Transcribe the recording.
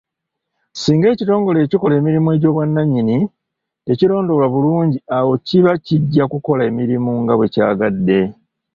Singa ekitongole ekikola emirimu egy'obwannannyini tekirondoolwa bulungi, awo kiba kijja kukola emirimu nga bwe kyagadde.